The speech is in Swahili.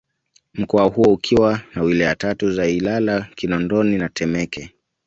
Mkoa huo ukiwa na Wilaya tatu za Ilala Kinondoni na Temeke